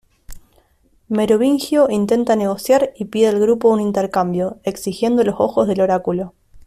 Merovingio intenta negociar y pide al grupo un intercambio, exigiendo los ojos del Oráculo.